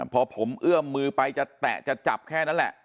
พอผมเอื้อมมือไปจะแตะจะจับแค่นั้นแหละ